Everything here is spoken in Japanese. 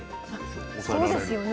そうですよね。